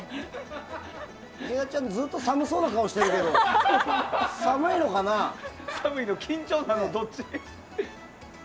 池田ちゃん、ずっと寒そうな顔してるけど寒いの、緊張なの、どっち？